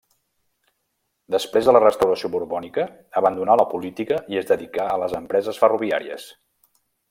Després de la restauració borbònica abandonà la política i es dedicà a les empreses ferroviàries.